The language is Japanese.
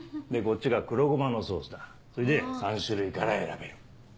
でこっちが黒ごまのソースだそれで３種類から選べる。